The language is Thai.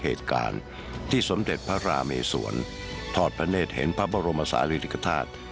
เหตุการณ์ที่สมเด็จพระราเมสวนทอดพระเนธเห็นพระบรมศาลีริกฐาตุ